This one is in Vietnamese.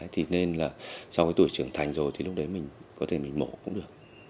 thì nên là sau cái tuổi trưởng thành rồi thì lúc đấy mình có thể mình mổ cũng được